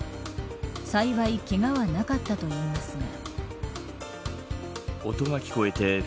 幸いけがはなかったといいますが。